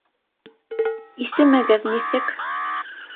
-Исемегеҙ нисек?